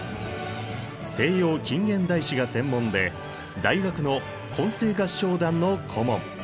西洋近現代史が専門で大学の混声合唱団の顧問。